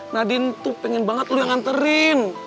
nadine tuh pengen banget lu yang nganterin